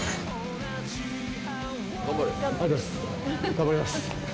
頑張ります。